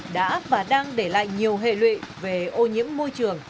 đã và đang để lại nhiều hệ lụy về ô nhiễm môi trường